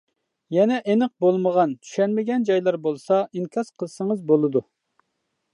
يەنە ئېنىق بولمىغان، چۈشەنمىگەن جايلار بولسا ئىنكاس قىلسىڭىز بولىدۇ.